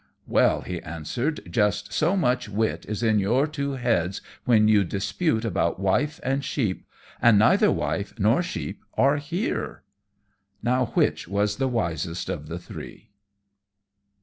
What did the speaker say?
"Well," he answered, "just so much wit is in your two heads when you dispute about wife and sheep, and neither wife nor sheep are here." Now which was the wisest of the three?